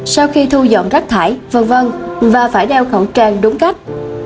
sau khi thu dọn rác thải v v và phải đeo khẩu trang đúng cách